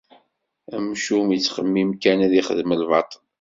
Amcum ittxemmim kan ad ixdem lbaṭel.